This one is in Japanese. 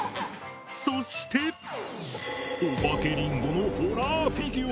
そしてお化けリンゴのホラーフィギュア！